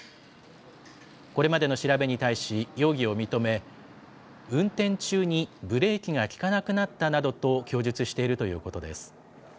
これまでの調べに対し容疑を認め、運転中にブレーキが利かなくなったなどと供述しているということです。